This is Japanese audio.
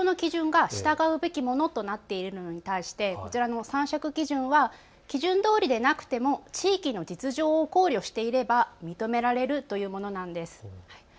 通常の基準が従うべきものとなっているのに対してこちらの参酌基準は基準どおりでなくても地域の実情を考慮していれば認められるというものなんですね。